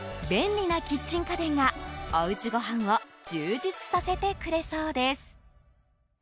便利なキッチン家電がおうちごはんを充実させてくれそうです。